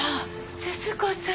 鈴子さん